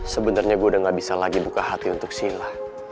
sebenarnya gue udah gak bisa lagi buka hati untuk sila